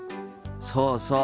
そうそう。